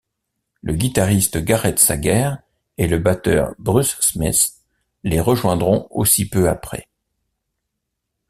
Le guitariste Gareth Sager et le batteur Bruce Smith les rejoindront aussi peu après.